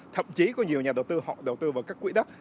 thậm chí có nhiều nhà đầu tư họ đầu tư vào các quỹ đất